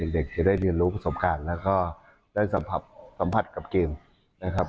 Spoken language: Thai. เด็กจะได้เรียนรู้ประสบการณ์แล้วก็ได้สัมผัสกับเกมนะครับ